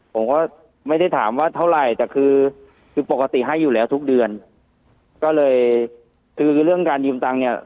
ผมก็ไม่ได้ถามว่าเท่าไหร่แต่คือคือปกติให้อยู่แล้วทุกเดือนก็เลยคือเรื่องการยืมตังค์เนี่ย